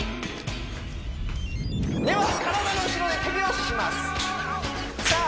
では体の後ろで手拍子しますさあ